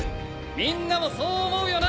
みんなもそう思うよな！